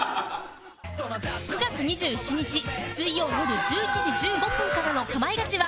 ９月２７日水曜よる１１時１５分からの『かまいガチ』は